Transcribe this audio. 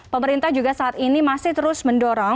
pemerintah juga saat ini masih terus mendorong